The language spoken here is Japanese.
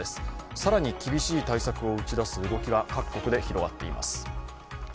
更に厳しい対策を打ち出す動きが各国で広がっています。